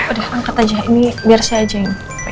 udah angkat aja ini biar saya aja ini